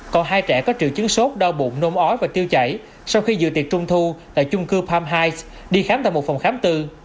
còn hai trẻ có triệu chứng sốt đau bụng nôn ói và tiêu chảy sau khi dự tiệc trung thu tại chung cư palm heights đi khám tại một phòng khám tư